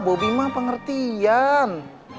bobi mah pengertian